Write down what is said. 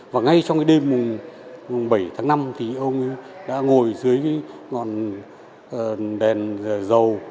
và ngay trong cái đêm bảy tháng năm thì ông ấy đã ngồi dưới cái ngọn đèn dầu